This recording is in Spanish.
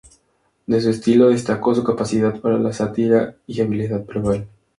De su estilo, destacó su capacidad para la sátira y habilidad verbal.